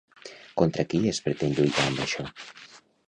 Contra qui es pretén lluitar amb això?